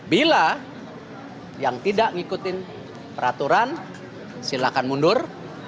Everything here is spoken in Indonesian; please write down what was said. bila yang tidak ngikutin peraturan silakan mundur